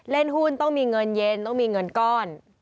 เล่นหุ้นต้องมีเงินเย็นต้องมีเงินก้อน